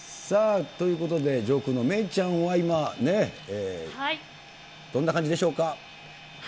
さあ、ということで、上空の芽生ちゃんは、今、どんな感じでしょうか。